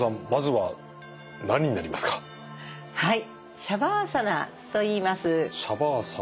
はい。